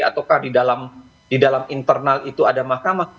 ataukah di dalam internal itu ada mahkamah